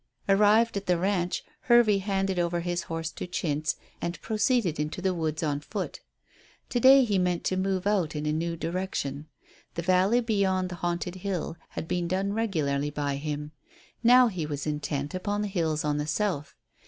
Arrived at the ranch Hervey handed over his horse to Chintz and proceeded into the woods on foot. To day he meant to move out in a new direction. The valley beyond the Haunted Hill had been done regularly by him; now he was intent upon the hills on the south.